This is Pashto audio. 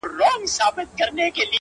دا تیارې به رڼا کیږي -